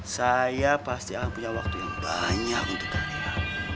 saya pasti akan punya waktu yang banyak untuk kalian